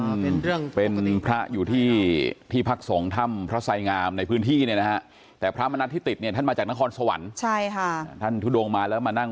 เป็นเรื่องปกติของคนไทยเราเพื่อจะได้สัมผัสสิ่งใดสิ่งหนึ่งที่เขาเจตนาจะมา